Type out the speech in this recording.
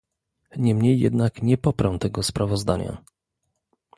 Niemniej jednak nie poprę tego sprawozdania